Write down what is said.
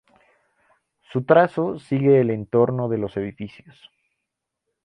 Su trazo sigue el entorno de los edificios.